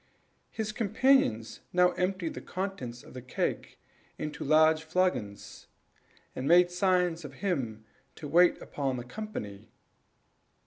His companion now emptied the contents of the keg into large flagons, and made signs to him to wait upon the company.